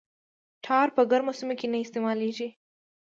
ټار په ګرمو سیمو کې نه استعمالیږي